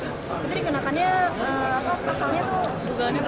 jadi kenakannya pasalnya itu